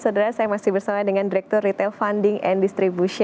saudara saya masih bersama dengan direktur retail funding and distribution